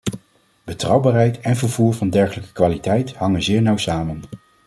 Betrouwbaarheid en vervoer van degelijke kwaliteit hangen zeer nauw samen.